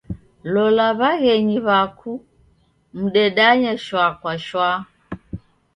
Lola w'aghenyu w'aku mdedanye shwaa kwa shwaa.